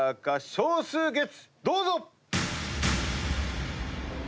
少数決どうぞ！